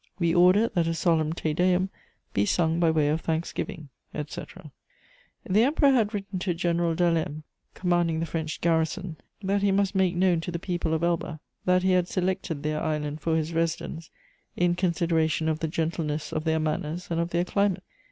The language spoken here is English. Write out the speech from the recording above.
We order that a solemn Te Deum be sung by way of thanksgiving," etc. [Sidenote: Napoleon in Elba.] The Emperor had written to General Dalesme, commanding the French garrison, that he must make known to the people of Elba that "he had selected" their island for his residence in consideration of the gentleness of their manners and of their climate.